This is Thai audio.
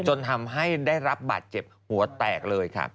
จนทำให้ได้รับบาดเจ็บหัวแตกเลยค่ะ